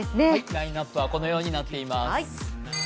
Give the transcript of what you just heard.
ラインナップはこのようになってます。